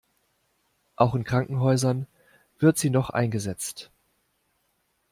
Auch in Krankenhäusern wird sie noch eingesetzt.